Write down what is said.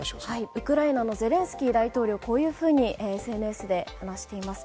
ウクライナのゼレンスキー大統領はこういうふうにＳＮＳで話しています。